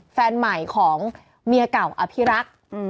แฟนใหม่ของเมียเก่าอภิรักษ์